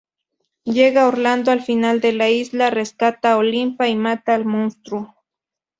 Llega Orlando al fin a la isla, rescata a Olimpia y mata al monstruo.